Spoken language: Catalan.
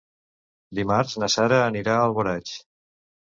Dimarts na Sara anirà a Alboraig.